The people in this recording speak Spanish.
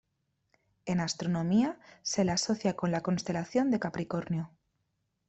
En astronomía se la asocia con la constelación de Capricornio.